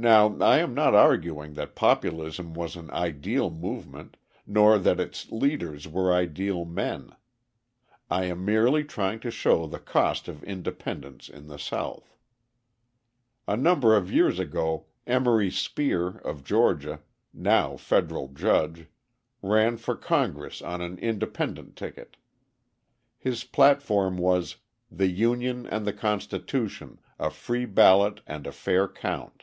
Now, I am not arguing that Populism was an ideal movement, nor that its leaders were ideal men; I am merely trying to show the cost of independence in the South. A number of years ago Emory Speer, of Georgia, now Federal Judge, ran for Congress on an independent ticket. His platform was "The Union and the Constitution, a free ballot and a fair count."